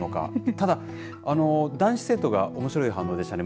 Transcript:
ただ、男子生徒がおもしろい反応でしたね。